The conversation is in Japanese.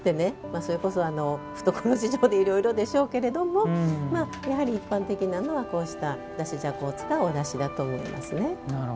それこそ懐事情でいろいろでしょうけどもやはり一般的なのはだしじゃこを使うおだしだと思います。